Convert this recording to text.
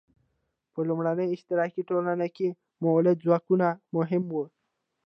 په لومړنیو اشتراکي ټولنو کې مؤلده ځواکونه مهم وو.